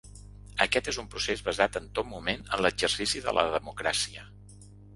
Aquest és un procés basat en tot moment en l’exercici de la democràcia.